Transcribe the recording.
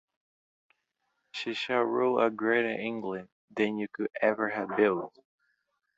She shall rule a greater England than you could ever have built.